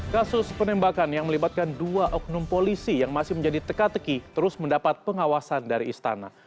kasus penembakan yang melibatkan dua oknum polisi yang masih menjadi teka teki terus mendapat pengawasan dari istana